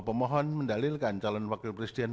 pemohon mendalilkan calon wakil presiden